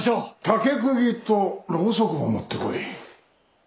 竹釘とろうそくを持ってこい。